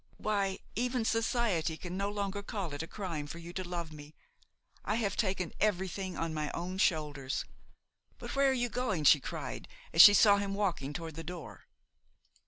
Why, even society can no longer call it a crime for you to love me; I have taken everything on my own shoulders! But where are you going?" she cried, as she saw him walking toward the door.